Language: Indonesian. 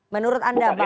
menurut anda bang habib